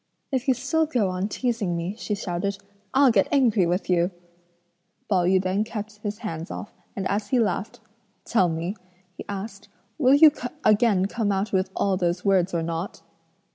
"If you still go on teasing me," she shouted, "I'll get angry with you!" Pao yü then kept his hands off, and as he laughed, "Tell me," he asked, "will you again come out with all those words or not?"